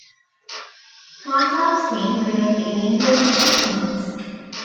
Partap Singh remained in England for six months.